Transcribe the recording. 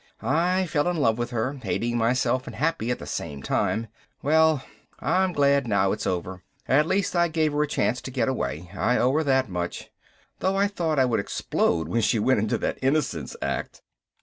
I fell in love with her, hating myself and happy at the same time. Well I'm glad now it's over. At least I gave her a chance to get away, I owe her that much. Though I thought I would explode when she went into that innocence act!"